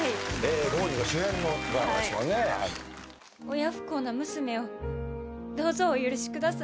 「親不孝な娘をどうぞお許しください」